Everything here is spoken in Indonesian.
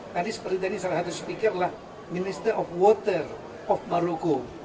tadi seperti tadi salah satu speaker adalah minister of water of maroko